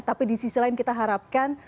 tapi di sisi lain kita harapkan